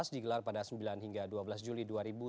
digelar pada sembilan hingga dua belas juli dua ribu dua puluh